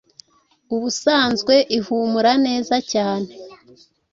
ubusanzwe ihumura neza cyane